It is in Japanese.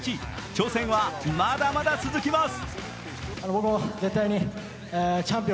挑戦はまだまだ続きます。